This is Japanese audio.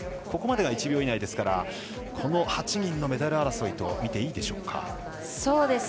ここまでが１秒以内ですからこの８人のメダル争いとみていいでしょうか。